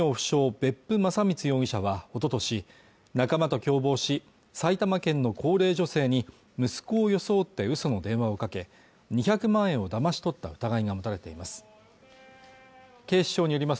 別府将光容疑者はおととし仲間と共謀し埼玉県の高齢女性に息子を装って嘘の電話をかけ２００万円をだまし取った疑いが持たれています